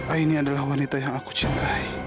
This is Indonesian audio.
aini adalah wanita yang aku cintai